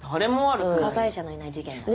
加害者のいない事件だね。